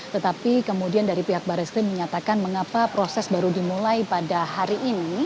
tetapi kemudian dari pihak baris krim menyatakan mengapa proses baru dimulai pada hari ini